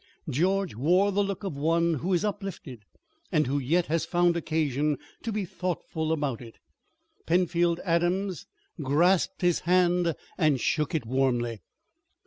George wore the look of one who is uplifted and who yet has found occasion to be thoughtful about it. Penfield Evans grasped his hand and shook it warmly.